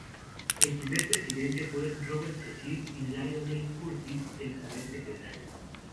El primer presidente fue Robert Cecil y Lionel Curtis el primer secretario.